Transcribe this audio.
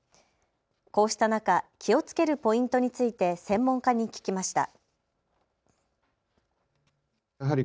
こうした中、気をつけるポイントについて専門家に聞きました。